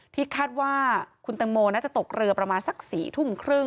ที่คาดว่าคุณตังโมน่าจะตกเรือประมาณสัก๔ทุ่มครึ่ง